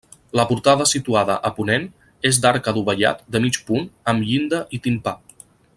La portada situada a ponent és d'arc adovellat de mig punt amb llinda i timpà.